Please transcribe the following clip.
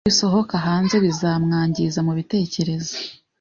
Nibisohoka hanze bizamwangiza mu bitekerezo